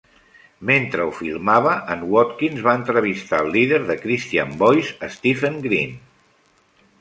Mentre ho filmava, en Watkins va entrevistar el líder de "Christian Voice", Stephen Green.